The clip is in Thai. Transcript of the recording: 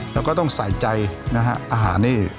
แล้วก็ต้องใส่ใจนะฮะอาหารนี่